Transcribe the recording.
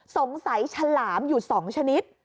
สงสัยฉลามอยู่๒ชนิด